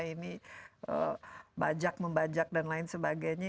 ini bajak membajak dan lain sebagainya